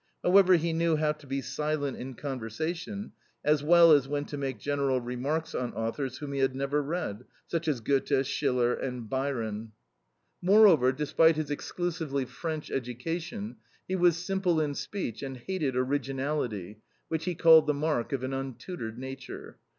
However, he knew how to be silent in conversation, as well as when to make general remarks on authors whom he had never read such as Goethe, Schiller, and Byron. Moreover, despite his exclusively French education, he was simple in speech and hated originality (which he called the mark of an untutored nature).